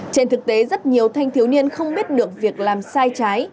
trên thực tế rất nhiều thanh thiếu niên không biết được việc làm sai trái